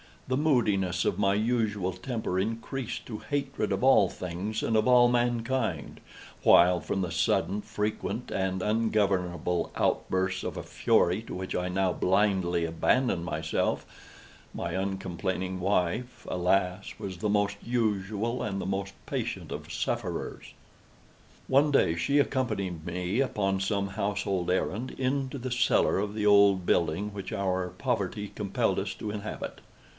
The moodiness of my usual temper increased to hatred of all things and of all mankind; while, from the sudden, frequent, and ungovernable outbursts of a fury to which I now blindly abandoned myself, my uncomplaining wife, alas, was the most usual and the most patient of sufferers. One day she accompanied me, upon some household errand, into the cellar of the old building which our poverty compelled us to inhabit.